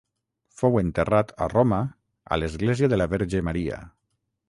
Fou enterrat a Roma a l'església de la Verge Maria.